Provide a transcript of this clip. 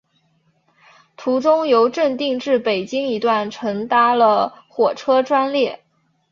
途中由正定至北京一段乘搭了火车专列。